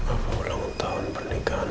apa ulang tahun pernikahan